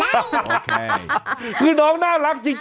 คือน้องน่ารักจริง